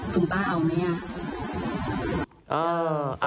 จริงจริงคือ